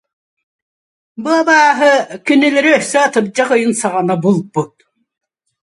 Бу «абааһы» кинилэри өссө атырдьах ыйын саҕана булбут